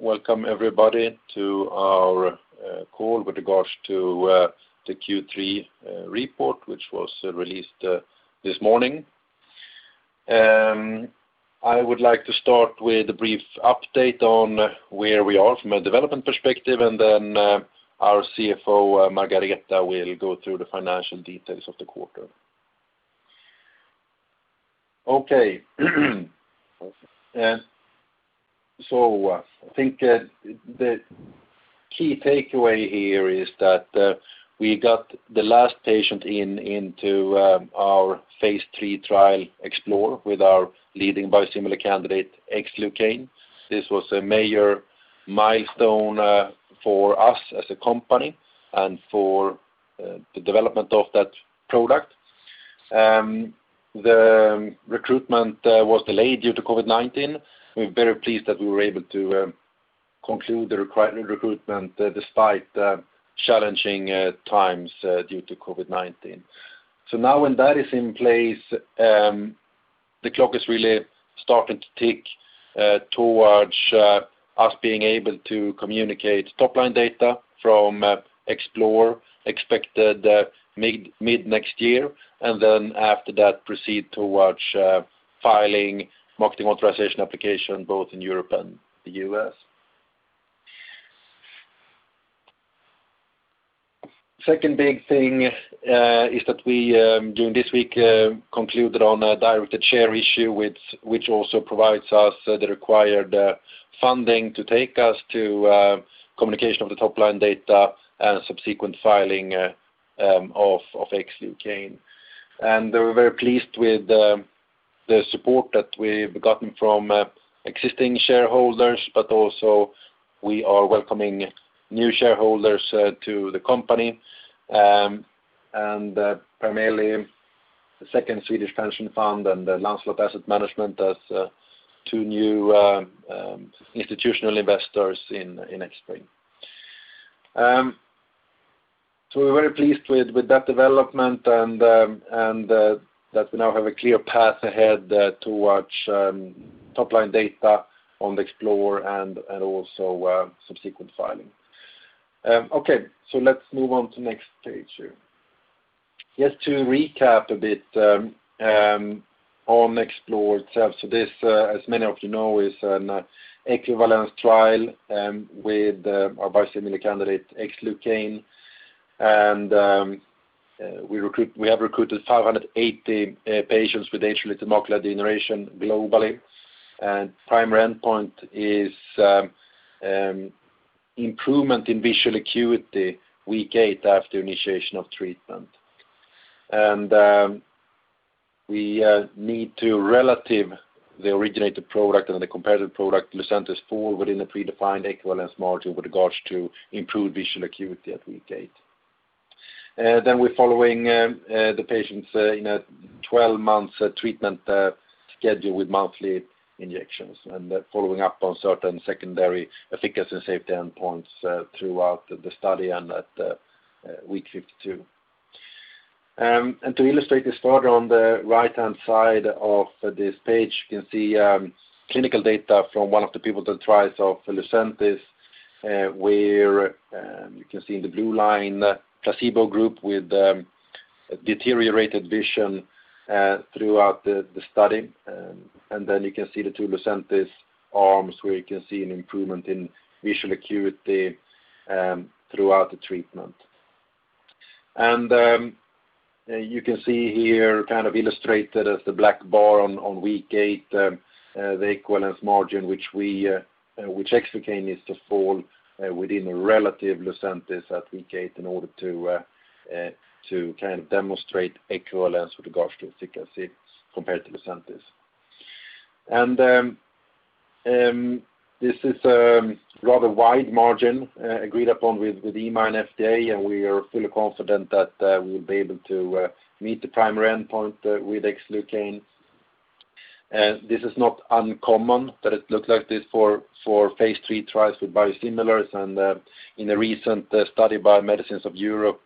Welcome everybody to our call with regards to the Q3 report, which was released this morning. I would like to start with a brief update on where we are from a development perspective, and then our CFO, Margareta, will go through the financial details of the quarter. Okay. I think the key takeaway here is that we got the last patient into our phase III trial Xplore with our leading biosimilar candidate, Xlucane. This was a major milestone for us as a company and for the development of that product. The recruitment was delayed due to COVID-19. We're very pleased that we were able to conclude the required recruitment despite challenging times due to COVID-19. Now when that is in place, the clock is really starting to tick towards us being able to communicate top-line data from Xplore, expected mid next year, then after that proceed towards filing Marketing Authorization Application both in Europe and the U.S. Second big thing is that we during this week concluded on a directed share issue which also provides us the required funding to take us to communication of the top-line data and subsequent filing of Xlucane. We're very pleased with the support that we've gotten from existing shareholders, but also we are welcoming new shareholders to the company. Primarily the second Swedish pension fund and Lancelot Asset Management as two new institutional investors in Xbrane. We're very pleased with that development and that we now have a clear path ahead towards top-line data on the Xplore and also subsequent filing. Let's move on to next page. Just to recap a bit on Xplore itself. This, as many of you know, is an equivalence trial with our biosimilar candidate, Xlucane. We have recruited 580 patients with age-related macular degeneration globally. Primary endpoint is improvement in visual acuity week eight after initiation of treatment. We need to relative the originator product and the comparative product, Lucentis, within a predefined equivalence margin with regards to improved visual acuity at week eight. We're following the patients in a 12 months treatment schedule with monthly injections and following up on certain secondary efficacy and safety endpoints throughout the study and at week 52. To illustrate this further, on the right-hand side of this page, you can see clinical data from one of the pivotal trials of Lucentis, where you can see in the blue line placebo group with deteriorated vision throughout the study. Then you can see the two Lucentis arms where you can see an improvement in visual acuity throughout the treatment. You can see here kind of illustrated as the black bar on week eight the equivalence margin which Xlucane needs to fall within a relative Lucentis at week eight in order to demonstrate equivalence with regards to efficacy compared to Lucentis. This is a rather wide margin agreed upon with EMA and FDA, and we are fully confident that we will be able to meet the primary endpoint with Xlucane. This is not uncommon that it looks like this for phase III trials with biosimilars. In a recent study by Medicines for Europe,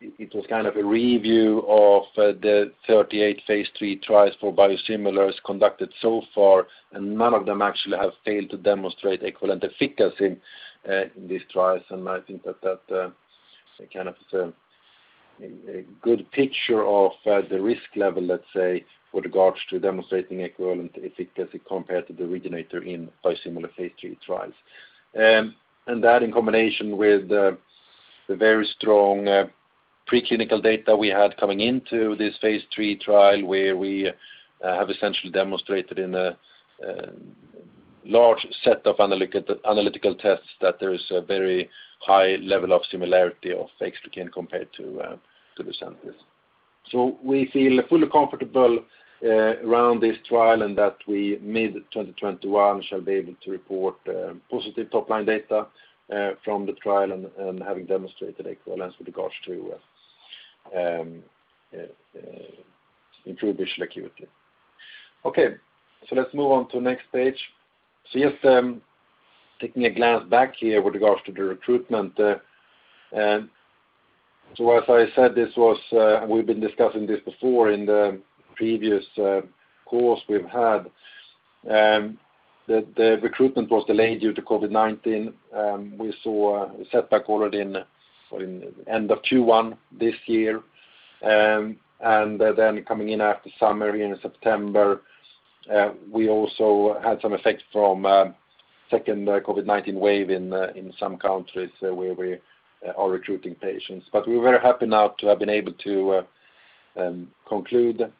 it was kind of a review of the 38 phase III trials for biosimilars conducted so far, and none of them actually have failed to demonstrate equivalent efficacy in these trials. I think that is a good picture of the risk level, let's say, with regards to demonstrating equivalent efficacy compared to the originator in biosimilar phase III trials. That in combination with the very strong preclinical data we had coming into this phase III trial, where we have essentially demonstrated in a large set of analytical tests that there is a very high level of similarity of Xlucane compared to Lucentis. We feel fully comfortable around this trial and that we mid-2021 shall be able to report positive top-line data from the trial and having demonstrated equivalence with regards to improved visual acuity. Okay, let's move on to next page. Just taking a glance back here with regards to the recruitment. As I said, we've been discussing this before in the previous calls we've had. The recruitment was delayed due to COVID-19. We saw a setback already in end of Q1 this year. Coming in after summer, in September, we also had some effects from second COVID-19 wave in some countries where we are recruiting patients. We're very happy now to have been able to conclude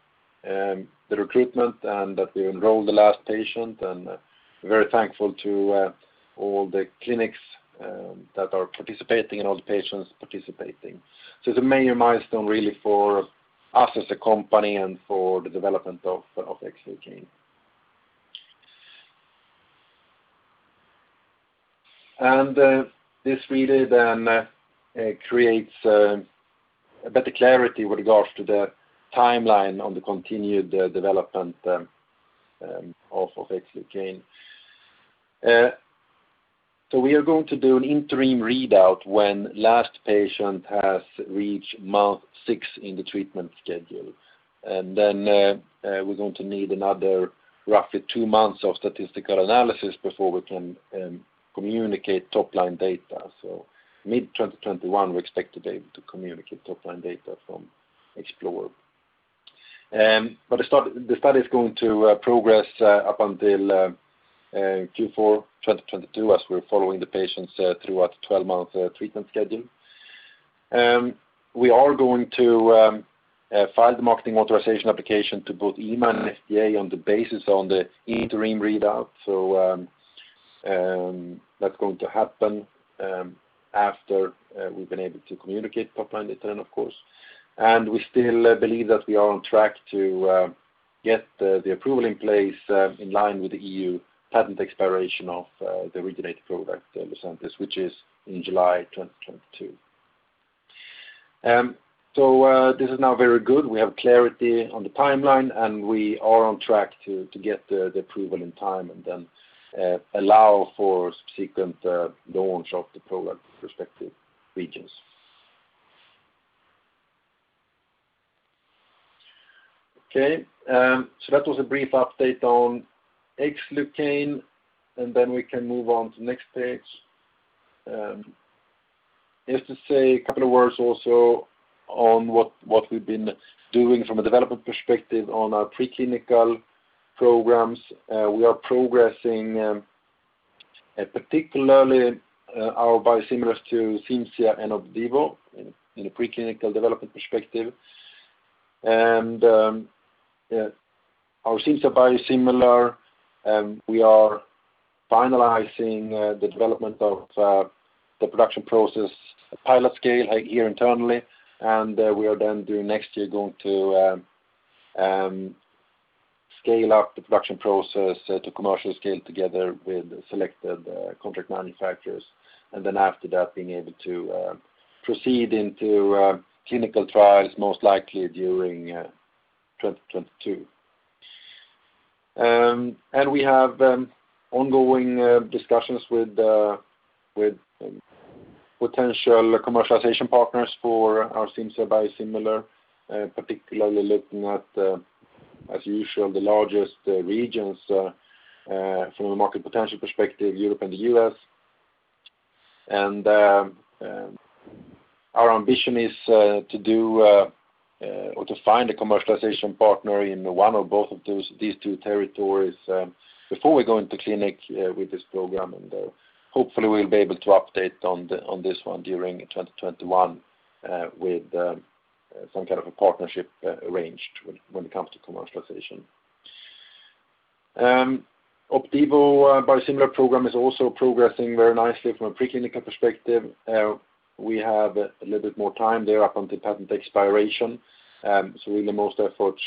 the recruitment and that we enrolled the last patient, and very thankful to all the clinics that are participating and all the patients participating. It's a major milestone really for us as a company and for the development of Xlucane. This really then creates better clarity with regards to the timeline on the continued development of Xlucane. We are going to do an interim readout when last patient has reached month 6 in the treatment schedule. We're going to need another roughly two months of statistical analysis before we can communicate top-line data. Mid-2021, we expect to be able to communicate top-line data from Xplore. The study is going to progress up until Q4 2022 as we're following the patients throughout the 12-month treatment schedule. We are going to file the Marketing Authorization Application to both EMA and FDA on the basis of the interim readout. That's going to happen after we've been able to communicate top-line data then, of course. We still believe that we are on track to get the approval in place in line with the EU patent expiration of the originator product, Lucentis, which is in July 2022. This is now very good. We have clarity on the timeline, we are on track to get the approval in time and then allow for subsequent launch of the product in respective regions. That was a brief update on Xlucane, we can move on to next page. Just to say a couple of words also on what we've been doing from a development perspective on our preclinical programs. We are progressing particularly our biosimilars to Cimzia and Opdivo in a preclinical development perspective. Our Cimzia biosimilar, we are finalizing the development of the production process pilot scale here internally. We are during next year going to scale up the production process to commercial scale together with selected contract manufacturers. After that, being able to proceed into clinical trials most likely during 2022. We have ongoing discussions with potential commercialization partners for our Cimzia biosimilar. Particularly looking at, as usual, the largest regions from a market potential perspective, Europe and the U.S. Our ambition is to find a commercialization partner in one or both of these two territories before we go into clinic with this program. Hopefully we'll be able to update on this one during 2021 with some kind of a partnership arranged when it comes to commercialization. Opdivo biosimilar program is also progressing very nicely from a preclinical perspective. We have a little bit more time there up until patent expiration. Really most efforts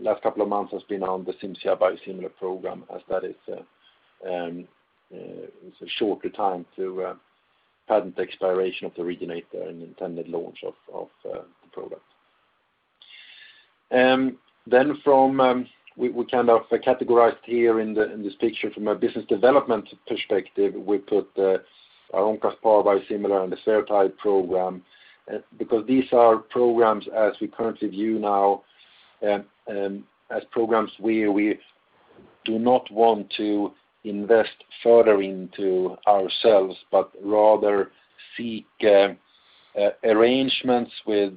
last couple of months has been on the Cimzia biosimilar program as that is a shorter time to patent expiration of the originator and intended launch of the product. We categorized here in this picture from a business development perspective, we put our Oncaspar biosimilar and the Spherotide program because these are programs as we currently view now as programs where we do not want to invest further into ourselves but rather seek arrangements with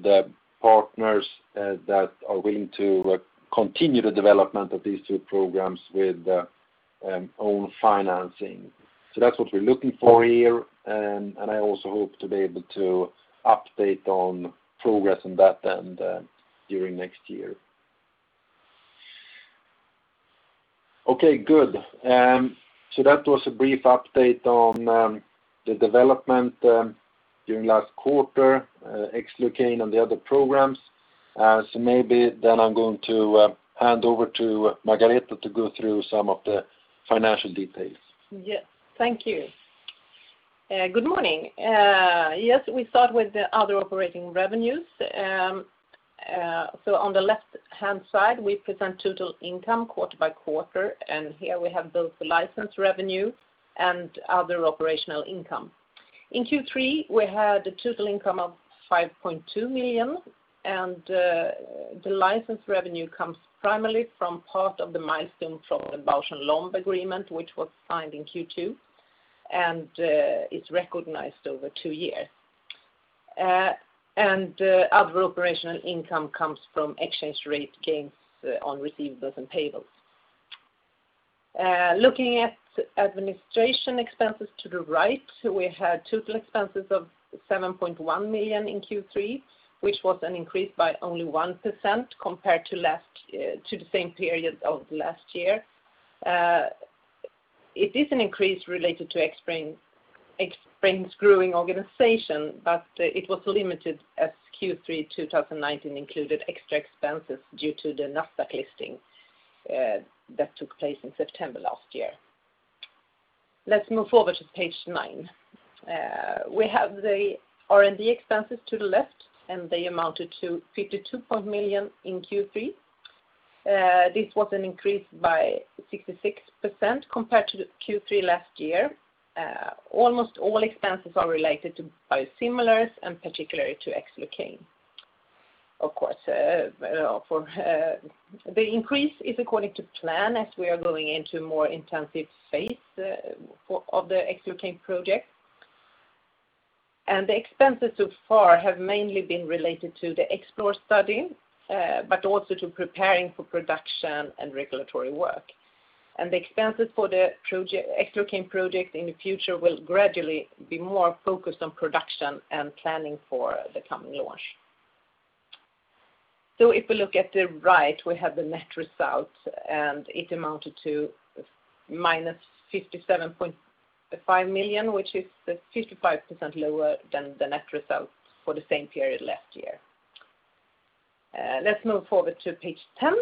partners that are willing to continue the development of these two programs with own financing. That's what we're looking for here, and I also hope to be able to update on progress on that during next year. Okay, good. That was a brief update on the development during last quarter, Xlucane and the other programs. Maybe I'm going to hand over to Margareta to go through some of the financial details. Yes. Thank you. Good morning. We start with the other operating revenues. On the left-hand side, we present total income quarter by quarter, and here we have both the license revenue and other operational income. In Q3, we had a total income of 5.2 million, and the license revenue comes primarily from part of the milestone from the Bausch + Lomb agreement, which was signed in Q2 and is recognized over two years. Other operational income comes from exchange rate gains on receivables and payables. Looking at administration expenses to the right, we had total expenses of 7.1 million in Q3, which was an increase by only 1% compared to the same period of last year. It is an increase related to Xbrane's growing organization, but it was limited as Q3 2019 included extra expenses due to the Nasdaq listing that took place in September last year. Let's move forward to page nine. We have the R&D expenses to the left, they amounted to 52 million in Q3. This was an increase by 66% compared to Q3 last year. Almost all expenses are related to biosimilars and particularly to Xlucane. Of course, the increase is according to plan as we are going into a more intensive phase of the Xlucane project. The expenses so far have mainly been related to the Xplore study but also to preparing for production and regulatory work. The expenses for the Xlucane project in the future will gradually be more focused on production and planning for the coming launch. If we look at the right, we have the net result, and it amounted to -57.5 million, which is 55% lower than the net result for the same period last year. Let's move forward to page 10.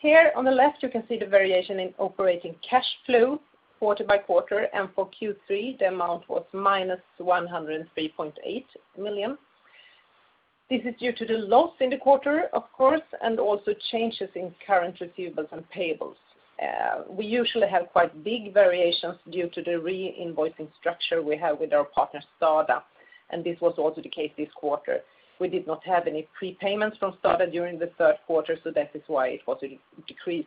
Here on the left, you can see the variation in operating cash flow quarter by quarter, and for Q3, the amount was -103.8 million. This is due to the loss in the quarter, of course, and also changes in current receivables and payables. We usually have quite big variations due to the reinvoicing structure we have with our partner, STADA, and this was also the case this quarter. We did not have any prepayments from STADA during the third quarter, so that is why it was a decrease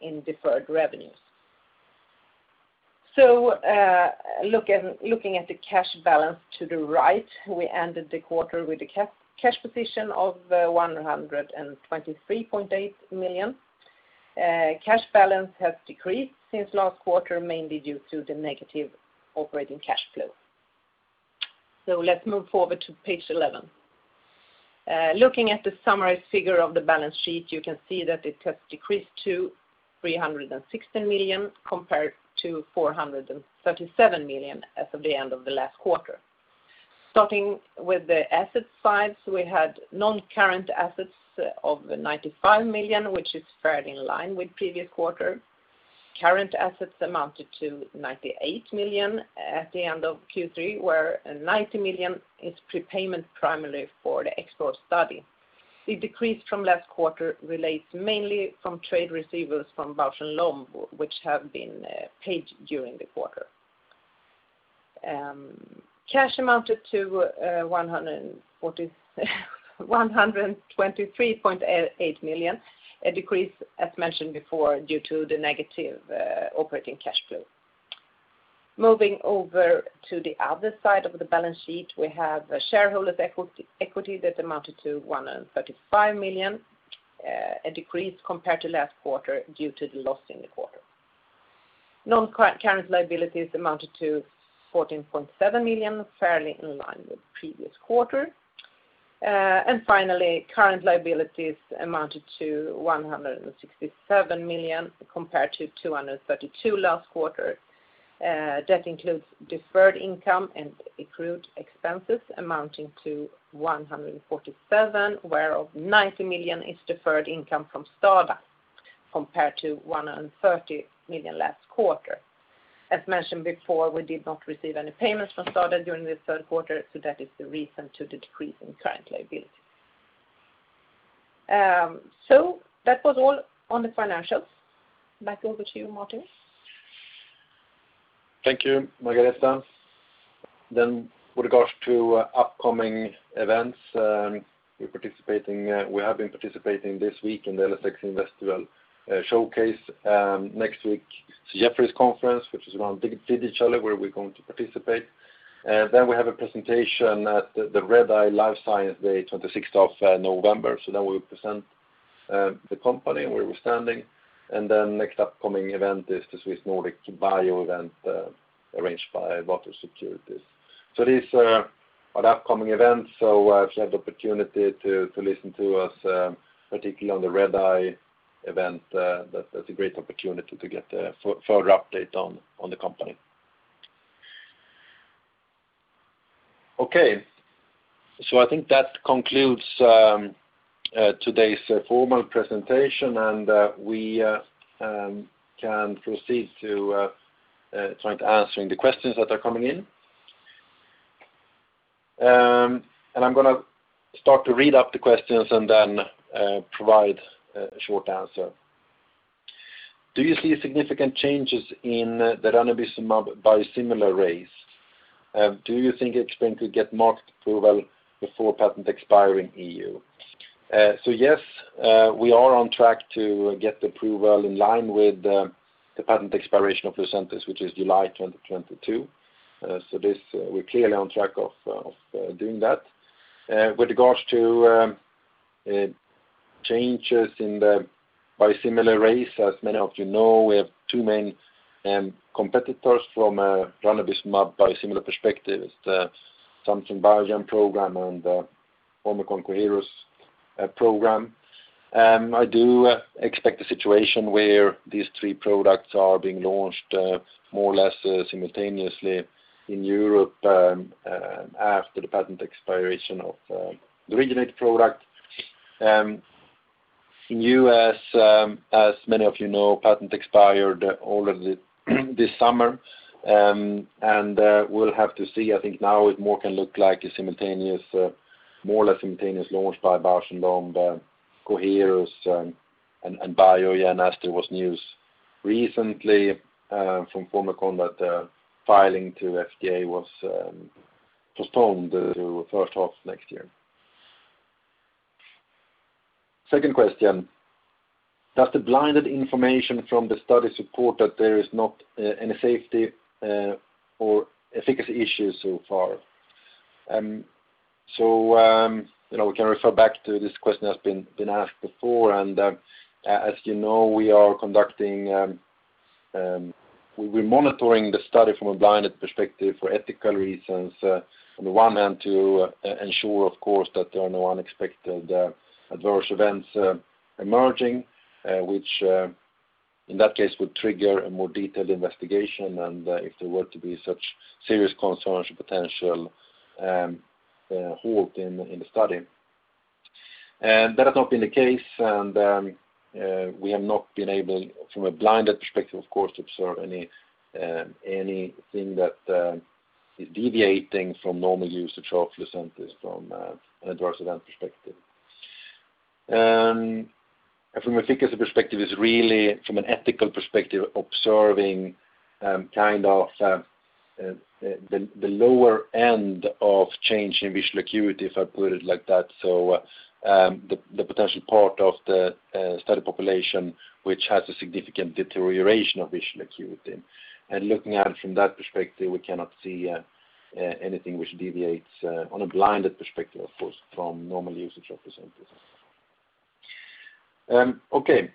in deferred revenues. Looking at the cash balance to the right, we ended the quarter with a cash position of 123.8 million. Cash balance has decreased since last quarter, mainly due to the negative operating cash flow. Let's move forward to page 11. Looking at the summary figure of the balance sheet, you can see that it has decreased to 316 million compared to 437 million as of the end of the last quarter. Starting with the asset side, we had non-current assets of 95 million, which is fairly in line with the previous quarter. Current assets amounted to 98 million at the end of Q3, where 90 million is prepayment primarily for the Xplore study. The decrease from last quarter relates mainly from trade receivers from Bausch + Lomb, which have been paid during the quarter. Cash amounted to 123.8 million, a decrease, as mentioned before, due to the negative operating cash flow. Moving over to the other side of the balance sheet, we have shareholders' equity that amounted to 135 million, a decrease compared to last quarter due to the loss in the quarter. Non-current liabilities amounted to 14.7 million, fairly in line with the previous quarter. Finally, current liabilities amounted to 167 million compared to 232 million last quarter. That includes deferred income and accrued expenses amounting to 147 million, where 90 million is deferred income from STADA compared to 130 million last quarter. As mentioned before, we did not receive any payments from STADA during the third quarter, that is the reason for the decrease in current liability. That was all on the financials. Back over to you, Martin. Thank you, Margareta. With regards to upcoming events, we have been participating this week in the LSX Investival Showcase. Next week, the Jefferies conference, which is around Digital, where we're going to participate. We have a presentation at the Redeye Life Science Day, 26th of November. We will present the company and where we're standing. Next upcoming event is the Swiss Nordic Bio event arranged by Vator Securities. These are the upcoming events. If you have the opportunity to listen to us, particularly on the Redeye event, that's a great opportunity to get a further update on the company. I think that concludes today's formal presentation, and we can proceed to trying to answer the questions that are coming in. I'm going to start to read out the questions and then provide a short answer. Do you see significant changes in the ranibizumab biosimilar race? Do you think it's going to get market approval before patent expire in E.U.? Yes, we are on track to get the approval in line with the patent expiration of Lucentis, which is July 2022. We're clearly on track of doing that. With regards to changes in the biosimilar race, as many of you know, we have two main competitors from ranibizumab biosimilar perspective. It's the Samsung Bioepis program and the Formycon Coherus program. I do expect a situation where these three products are being launched more or less simultaneously in Europe after the patent expiration of the originate product. In the U.S., as many of you know, patent expired already this summer. We'll have to see. I think now it more can look like a more or less simultaneous launch by Bausch + Lomb, Coherus and Bioepis as there was news recently from Formycon that the filing to FDA was postponed to the first half of next year. Second question. Does the blinded information from the study support that there is not any safety or efficacy issues so far? As you know, we're monitoring the study from a blinded perspective for ethical reasons. On the one hand, to ensure, of course, that there are no unexpected adverse events emerging which, in that case, would trigger a more detailed investigation and if there were to be such serious concerns, a potential halt in the study. That has not been the case, and we have not been able, from a blinded perspective, of course, to observe anything that is deviating from normal usage of Lucentis from an adverse event perspective. From efficacy perspective is really from an ethical perspective observing the lower end of change in visual acuity, if I put it like that. The potential part of the study population which has a significant deterioration of visual acuity. Looking at it from that perspective, we cannot see anything which deviates on a blinded perspective, of course, from normal usage of Lucentis. Okay.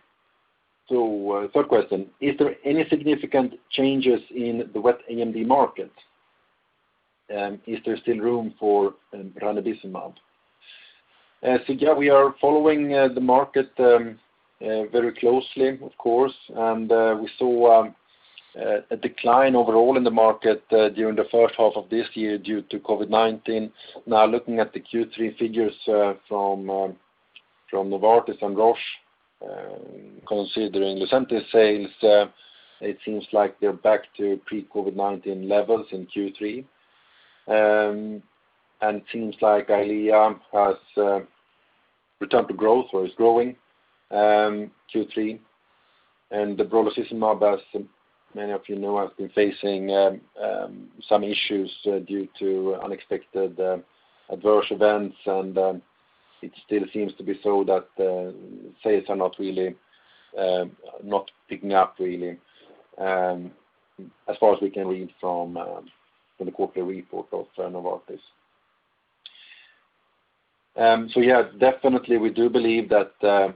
Third question. Is there any significant changes in the wet AMD market? Is there still room for ranibizumab? We are following the market very closely, of course, and we saw a decline overall in the market during the first half of this year due to COVID-19. Looking at the Q3 figures from Novartis and Roche, considering Lucentis sales, it seems like they're back to pre-COVID-19 levels in Q3. Seems like EYLEA has returned to growth or is growing Q3. Bevacizumab, as many of you know, has been facing some issues due to unexpected adverse events. It still seems to be so that sales are not picking up really, as far as we can read from the quarterly report of Novartis. Yeah, definitely we do believe that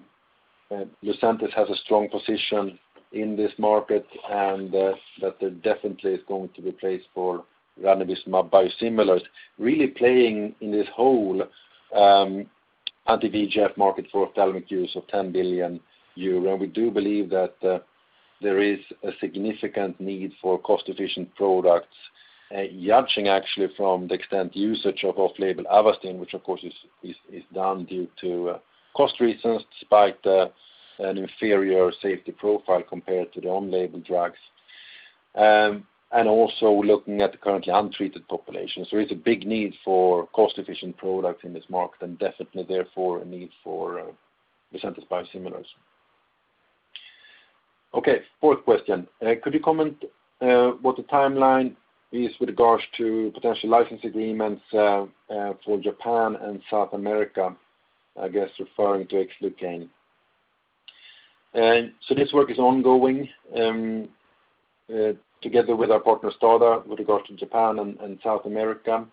Lucentis has a strong position in this market and that there definitely is going to be place for ranibizumab biosimilars really playing in this whole anti-VEGF market for ophthalmic use of 10 billion euro. We do believe that there is a significant need for cost-efficient products. Judging actually from the extent usage of off-label Avastin, which of course is done due to cost reasons despite an inferior safety profile compared to the on-label drugs. Also looking at the currently untreated population. It's a big need for cost-efficient products in this market and definitely therefore a need for Lucentis biosimilars. Okay. Fourth question. Could you comment what the timeline is with regards to potential license agreements for Japan and South America, I guess referring to Xlucane. This work is ongoing together with our partner STADA with regards to Japan and South America,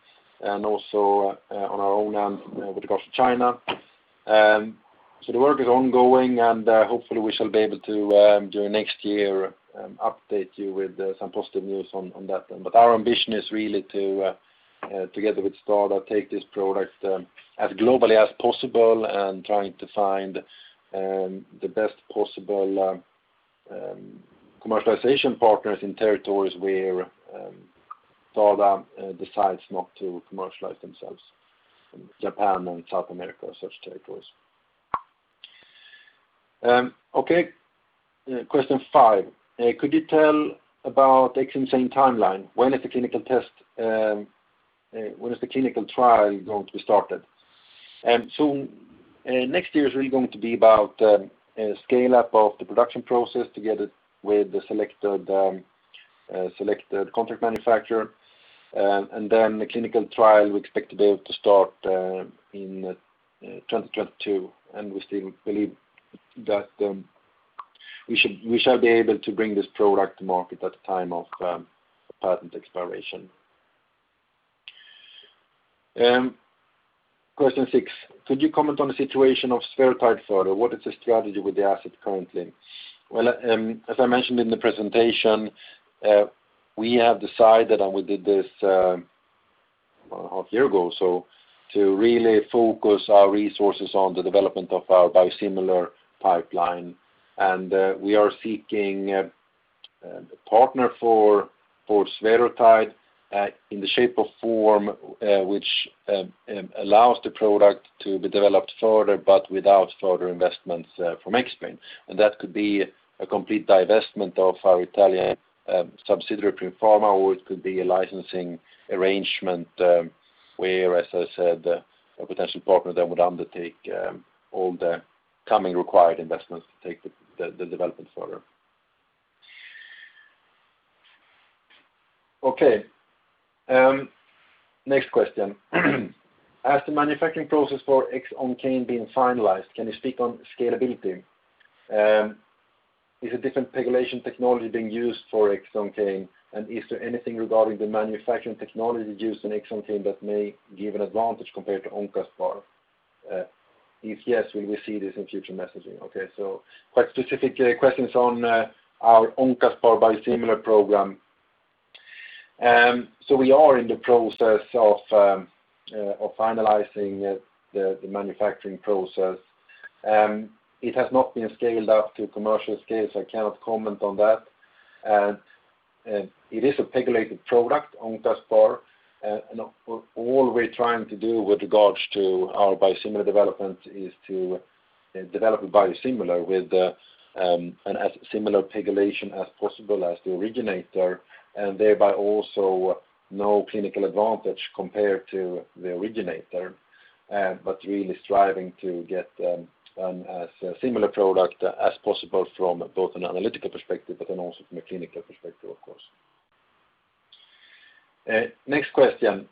and also on our own with regards to China. The work is ongoing, and hopefully we shall be able to during next year update you with some positive news on that then. Our ambition is really to together with STADA take this product as globally as possible and trying to find the best possible commercialization partners in territories where STADA decides not to commercialize themselves in Japan and South America, such territories. Okay, question five. Could you tell about Xcimzane timeline? When is the clinical trial going to be started? Next year is really going to be about scale-up of the production process together with the selected contract manufacturer, and then the clinical trial, we expect to be able to start in 2022. We still believe that we shall be able to bring this product to market at the time of patent expiration. Question 6, could you comment on the situation of Spherotide further? What is the strategy with the asset currently? As I mentioned in the presentation, we have decided, and we did this one year ago, to really focus our resources on the development of our biosimilar pipeline. We are seeking a partner for Spherotide in the shape of form which allows the product to be developed further, but without further investments from Xbrane. That could be a complete divestment of our Italian subsidiary, Primm Pharma, or it could be a licensing arrangement where, as I said, a potential partner then would undertake all the coming required investments to take the development further. Okay. Next question. Has the manufacturing process for Xoncane been finalized? Can you speak on scalability? Is a different pegylation technology being used for Xoncane? Is there anything regarding the manufacturing technology used in Xoncane that may give an advantage compared to Oncaspar? If yes, will we see this in future messaging? Quite specific questions on our Oncaspar biosimilar program. We are in the process of finalizing the manufacturing process. It has not been scaled up to commercial scale, so I cannot comment on that. It is a pegylated product, Oncaspar. All we're trying to do with regards to our biosimilar development is to develop a biosimilar with as similar pegylation as possible as the originator, and thereby also no clinical advantage compared to the originator, but really striving to get as similar product as possible from both an analytical perspective, but then also from a clinical perspective, of course. Next question.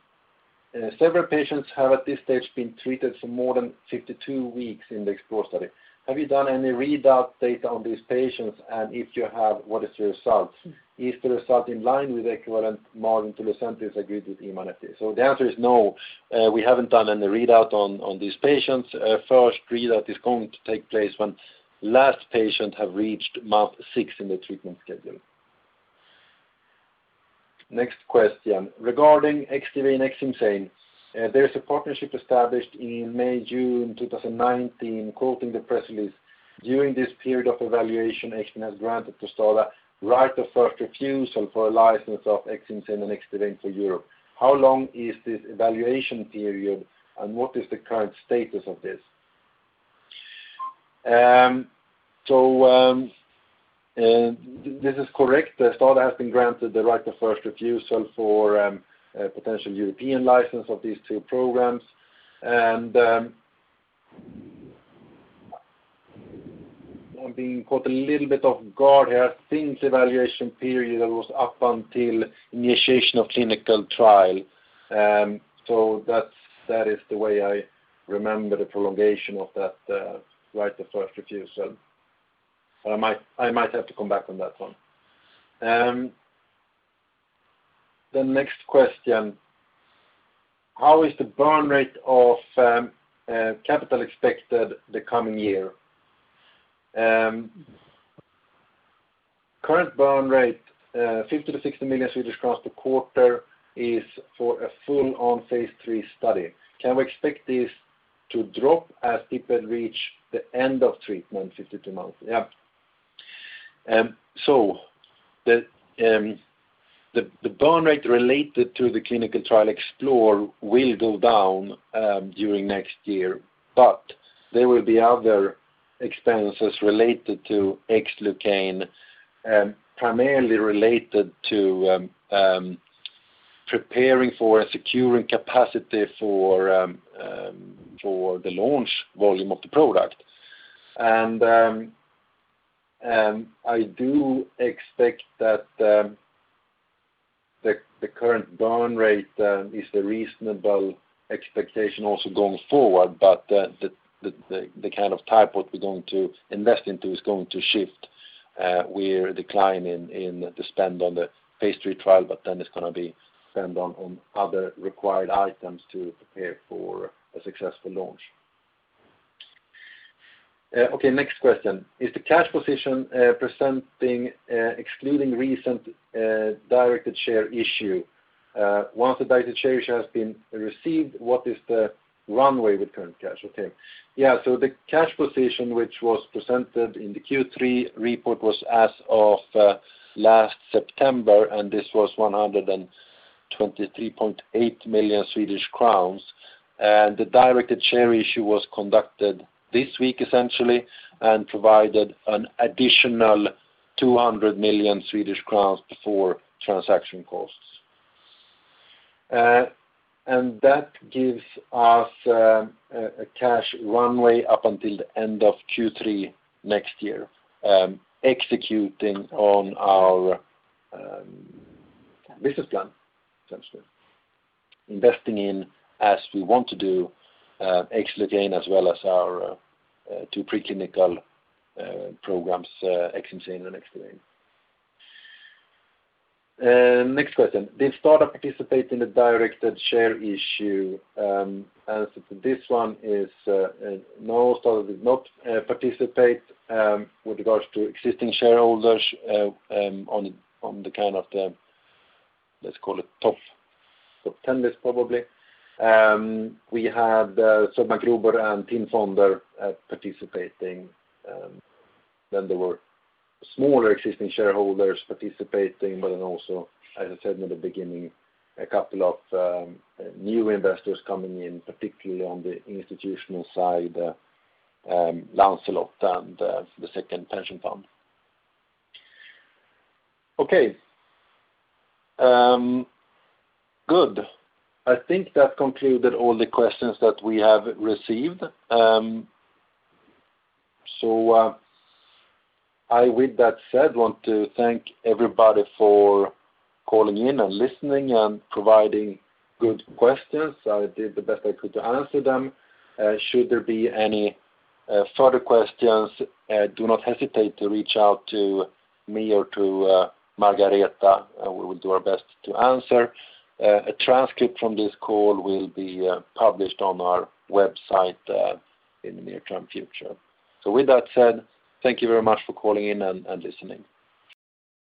Several patients have at this stage been treated for more than 52 weeks in the Xplore study. Have you done any readout data on these patients? If you have, what is the result? Is the result in line with equivalent margin to Lucentis agreed with EMA? The answer is no, we haven't done any readout on these patients. First readout is going to take place when last patient have reached month six in the treatment schedule. Next question. Regarding Xdivane, Xcimzane, there's a partnership established in May, June 2019, quoting the press release, during this period of evaluation, Xbrane has granted to STADA right of first refusal for a license of Xcimzane and Xdivane for Europe. How long is this evaluation period and what is the current status of this? This is correct. STADA has been granted the right of first refusal for a potential European license of these two programs. I'm being caught a little bit off guard here. I think the evaluation period was up until initiation of clinical trial. That is the way I remember the prolongation of that right of first refusal. I might have to come back on that one. The next question. How is the burn rate of capital expected the coming year? Current burn rate 50 million-60 million Swedish crowns per quarter is for a full-on phase III study. Can we expect this to drop as people reach the end of treatment, 52 months? Yeah. The burn rate related to the clinical trial Xplore will go down during next year, but there will be other expenses related to Xlucane, primarily related to preparing for a securing capacity for the launch volume of the product. I do expect that the current burn rate is the reasonable expectation also going forward. The kind of type what we're going to invest into is going to shift with a decline in the spend on the phase III trial but then it's going to be spend on other required items to prepare for a successful launch. Okay, next question. Is the cash position presenting excluding recent directed share issue? Once the directed share issue has been received, what is the runway with current cash? Okay. Yeah, the cash position which was presented in the Q3 report was as of last September, and this was SEK 123.8 million Swedish crowns. The directed share issue was conducted this week essentially, and provided an additional 200 million Swedish crowns before transaction costs. That gives us a cash runway up until the end of Q3 next year, executing on our business plan, investing in as we want to do, Xlucane as well as our two preclinical programs, Xcimzane and Xlucane. Next question. Did STADA participate in the directed share issue? Answer to this one is, no, STADA did not participate. With regards to existing shareholders on the kind of, let's call it top 10 list probably. We had Söderberg & Partners and TIN Fonder participating. There were smaller existing shareholders participating but then also as I said in the beginning, a couple of new investors coming in, particularly on the institutional side, Lancelot and Andra AP-fonden. Okay. Good. I think that concluded all the questions that we have received. I, with that said, want to thank everybody for calling in and listening and providing good questions. I did the best I could to answer them. Should there be any further questions, do not hesitate to reach out to me or to Margareta. We will do our best to answer. A transcript from this call will be published on our website in the near term future. With that said, thank you very much for calling in and listening. Thank you